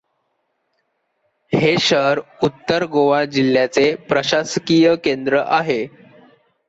हे शहर उत्तर गोवा जिल्ह्याचे प्रशासकीय केंद्र आहे.